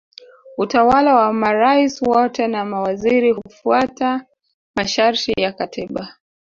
utawala wa marais wote na mawaziri hufuata masharti ya katiba